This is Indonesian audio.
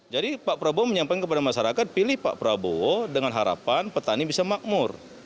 jadi pak prabowo menyampaikan kepada masyarakat pilih pak prabowo dengan harapan petani bisa makmur